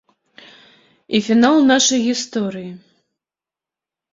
І фінал нашай гісторыі.